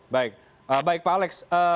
baik baik pak alex